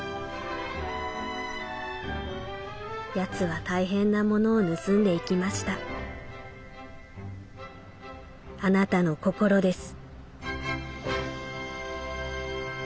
「奴は大変なものを盗んでいきましたあなたの心です」。